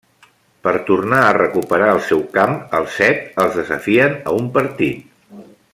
Per tornar a recuperar el seu camp, els set els desafien a un partit.